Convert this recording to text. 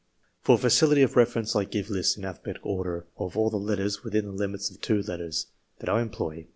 For facility of reference I give lists, in alphabetical order, of all the letters, within the limits of two letters, that I employ.